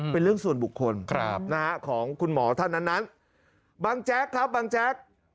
เป็นเรื่องส่วนบุคคลของคุณหมอท่านนั้นบางแจ๊กครับบางแจ๊ก